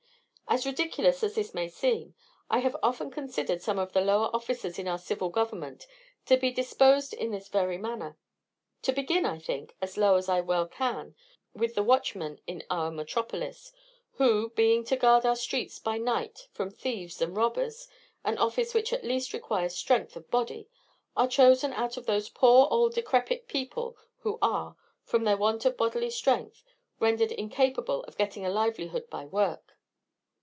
As ridiculous as this may seem, I have often considered some of the lower officers in our civil government to be disposed in this very manner. To begin, I think, as low as I well can, with the watchmen in our metropolis, who, being to guard our streets by night from thieves and robbers, an office which at least requires strength of body, are chosen out of those poor old decrepit people who are, from their want of bodily strength, rendered incapable of getting a livelihood by work.